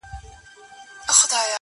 ډار به واچوي په زړوکي -